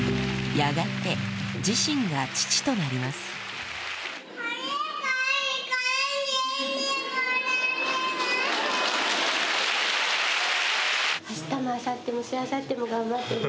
やがて自身が父となりますねっ。